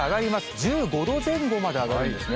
１５度前後まで上がるんですね。